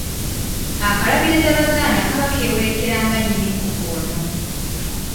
Akalabiriza bazaana kaba keewerekera nga nnyinimu ono.